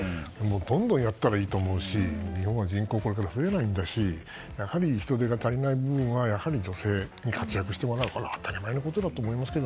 どんどんやったらいいと思うし日本はこれから人口が増えないんだし人手が足りない部分は女性に活躍してもらうというのは当たり前のことだと思います。